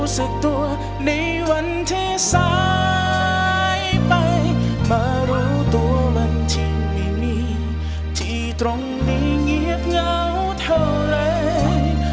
สายไปมารู้ตัววันที่ไม่มีที่ตรงนี้เงียบเหงาเท่าไหร่